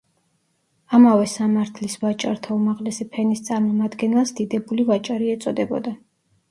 ამავე სამართლის ვაჭართა უმაღლესი ფენის წარმომადგენელს დიდებული ვაჭარი ეწოდებოდა.